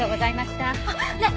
あっねえ